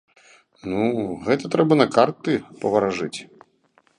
Ну, гэта трэба на карты паваражыць.